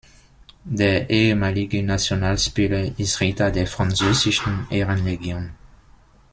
Der ehemalige Nationalspieler ist Ritter der französischen Ehrenlegion.